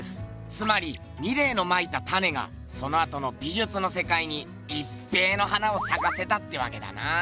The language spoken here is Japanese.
つまりミレーのまいた種がそのあとの美術のせかいにいっぺえの花をさかせたってわけだな。